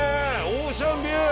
オーシャンビュー。